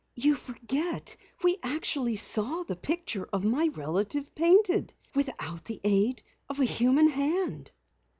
You forget we actually saw the picture of my relative painted without the aid of a human hand."